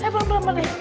pelan pelan pak d